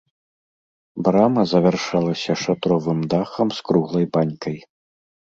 Брама завяршалася шатровым дахам з круглай банькай.